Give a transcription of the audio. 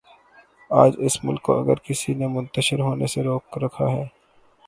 آج اس ملک کو اگر کسی نے منتشر ہونے سے روک رکھا ہے۔